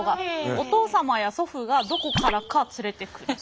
お父様や祖父がどこからか連れてくると。